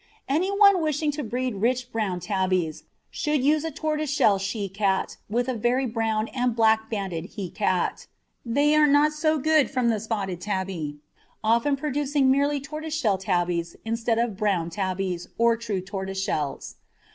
Any one wishing to breed rich brown tabbies, should use a tortoiseshell she cat with a very brown and black banded he cat. They are not so good from the spotted tabby, often producing merely tortoiseshell tabbies instead of brown tabbies, or true tortoiseshells.